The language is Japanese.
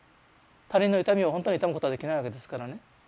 他人の痛みを本当に痛むことはできないわけですからね。